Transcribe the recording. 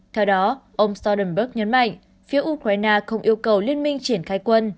theo đó ông stolg nhấn mạnh phía ukraine không yêu cầu liên minh triển khai quân